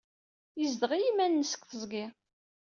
Yezdeɣ i yiman-nnes deg teẓgi.